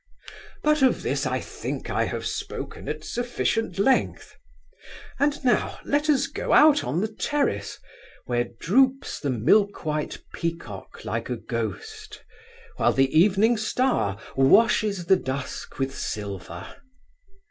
But of this I think I have spoken at sufficient length. And now let us go out on the terrace, where 'droops the milk white peacock like a ghost,' while the evening star 'washes the dusk with silver.